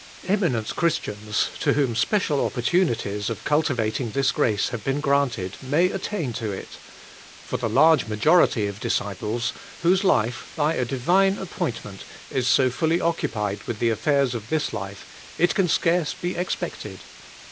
Eminent Christians, to whom special oppor tunities of cultivating this grace have been granted, may attain to it: for the large majority, of disciples, whose life, by a Divine appointment, is so fully occu pied with the affairs of this life, it can scarce be expected.